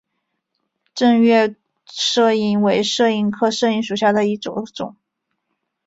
滇越杜英为杜英科杜英属下的一个种。